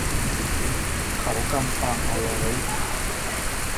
เขากำฟางเอาไว้